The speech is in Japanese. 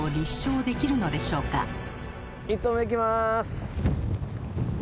１投目いきます。